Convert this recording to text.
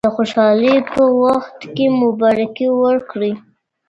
د خوشحالۍ په وخت کې مبارکي ورکړئ.